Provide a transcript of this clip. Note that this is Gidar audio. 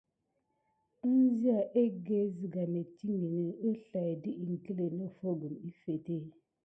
Enziya egge ged nettiŋgini əslay dət iŋkle noffo gum əffete.